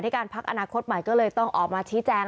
การพักอนาคตใหม่ก็เลยต้องออกมาชี้แจง